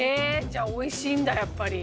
じゃあおいしいんだやっぱり。